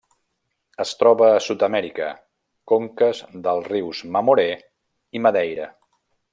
Es troba a Sud-amèrica: conques dels rius Mamoré i Madeira.